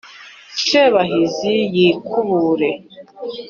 sebahinzi yikubure